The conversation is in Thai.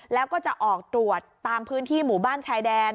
แล้วก็จะออกตรวจตามพื้นที่หมู่บ้านชายแดน